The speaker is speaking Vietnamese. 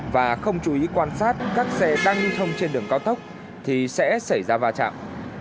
và không chú ý quan sát các xe đang lưu thông trên đường cao tốc thì sẽ xảy ra va chạm